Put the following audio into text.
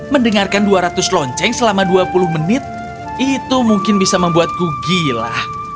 mendengarkan dua ratus lonceng selama dua puluh menit itu mungkin bisa membuatku gila